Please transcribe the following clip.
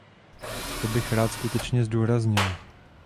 To bych rád skutečně zdůraznil.